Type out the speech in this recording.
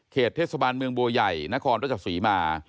เทศบาลเมืองบัวใหญ่นครรัชศรีมา